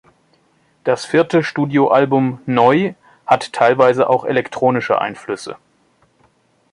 Das vierte Studioalbum "Neu" hat teilweise auch elektronische Einflüsse.